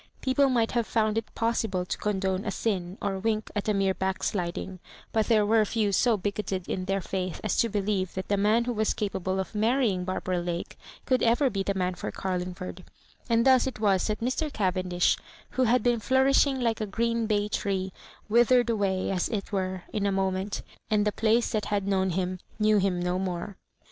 People might have found it possible to condone a sin or wink at a mere backsliding ; but there were few so bigoted in their faith as to believe that the man who was capable of marrying Barbara Lake could ever be the man for Carlingiford ; and thus It was that Mr. Cavendii^, who had been flourish ing like a green bay tree, withered away^as it were, in a moment, and the place that had known him knew him no more.